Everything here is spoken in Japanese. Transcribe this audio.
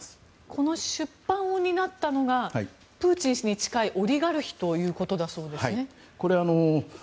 この出版を担ったのがプーチン氏に近いオリガルヒということだそうですね。